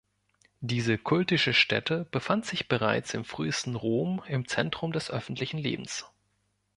Diese kultische Stätte befand sich bereits im frühesten Rom im Zentrum des öffentlichen Lebens.